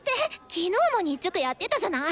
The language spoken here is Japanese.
昨日も日直やってたじゃない。